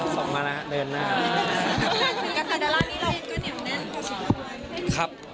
ส่งมาละเดือนหน้า